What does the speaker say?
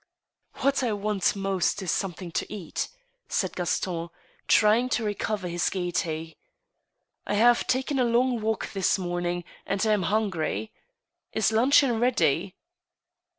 •• What I want most is something to eat," said Gaston, 4rying to recover his gayety. " I have taken a long walk this morning, and am hungry. , Is luncheon ready